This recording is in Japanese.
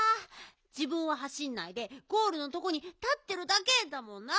じぶんははしんないでゴールのとこに立ってるだけだもんな。